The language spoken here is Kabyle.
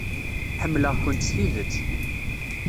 Ḥemmleɣ-kent s tidet.